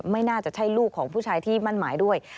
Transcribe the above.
ไม่น่าจะใช่ลูกของผู้ชายที่มั่นหมายด้วย